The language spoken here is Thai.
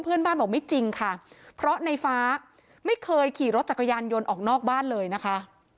เพื่อนบ้านบอกไม่จริงค่ะเพราะในฟ้าไม่เคยขี่รถจักรยานยนต์ออกนอกบ้านเลยนะคะ